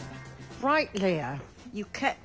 はい。